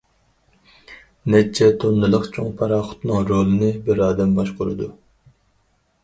نەچچە توننىلىق چوڭ پاراخوتنىڭ رولىنى بىر ئادەم باشقۇرىدۇ.